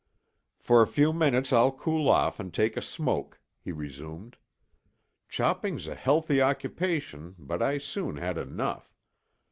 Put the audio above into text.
"For a few minutes I'll cool off and take a smoke," he resumed. "Chopping's a healthy occupation, but I soon had enough.